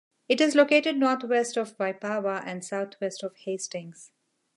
It is located northwest of Waipawa and southwest of Hastings.